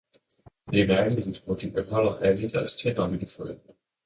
Det er mærkeligt hvor De beholder alle Deres tænder lille frøken!